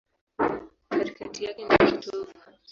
Katikati yake ni kitovu.